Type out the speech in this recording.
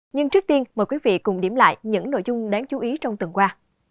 nhưng trước tiên mời quý vị cùng điểm lại những nội dung đáng chú ý trong tuần qua